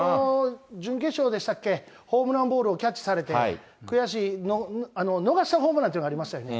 準決勝でしたっけ、ホームランボールをキャッチされて、悔しい、逃したホームランというのがありましたよね。